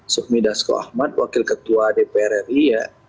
sufmi dasko ahmad wakil ketua dpr ri ya